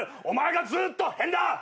お前がずっと変だ！